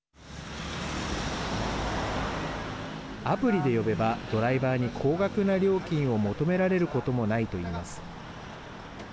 アプリで呼べば、ドライバーに高額な料金を求められることもないと言います。